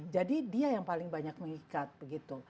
jadi dia yang paling banyak mengikat